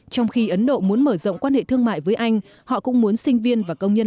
trong khi ấn độ muốn mở rộng quan hệ thương mại với anh họ cũng muốn sinh viên và công nhân